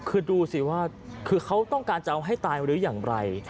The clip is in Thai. คือดูสิว่าคือเขาต้องการจะเอาให้ตายหรืออย่างไร